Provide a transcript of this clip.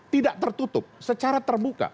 tidak tertutup secara terbuka